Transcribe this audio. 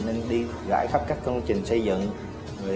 nên đi gãi khắp các công trình xây dựng